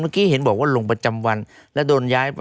เมื่อกี้เห็นบอกว่าลงประจำวันแล้วโดนย้ายไป